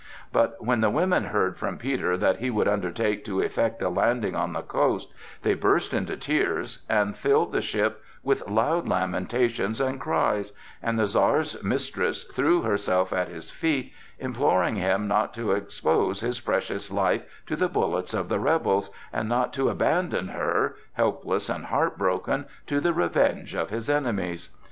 But when the women heard from Peter that he would undertake to effect a landing on the coast, they burst into tears and filled the ship with loud lamentations and cries, and the Czar's mistress threw herself at his feet imploring him not to expose his precious life to the bullets of the rebels, and not to abandon her, helpless and heartbroken, to the revenge of his enemies.